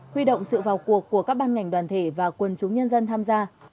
huy động sự vào cuộc của các ban ngành đoàn thể và quân chúng nhân dân tham gia